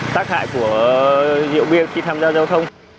tác hại của rượu bia khi tham gia giao thông